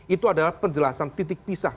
itu adalah penjelasan titik pisah